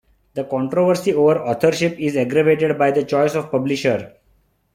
The controversy over authorship is aggravated by the choice of publisher.